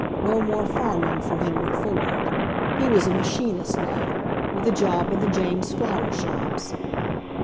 No more farm ing for Henry Ford. He was a machinist now, with a job in the James Flower shops.